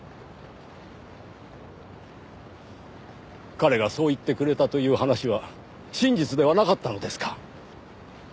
彼がそう言ってくれたという話は真実ではなかったのですか？